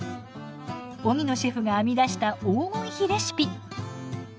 荻野シェフが編み出した黄金比レシピ。